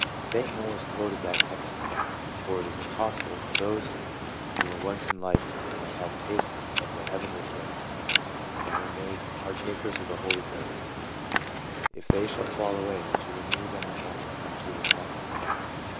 Satan always quoted that text to me, " For it is impossible for those who were once en lightened, and have tasted of the heavenly gift, and were made partakers of the Holy Ghost, ... If they shall fall away, to renew them again unto repentance."